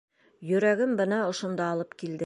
Йөрәгем бына ошонда алып килде.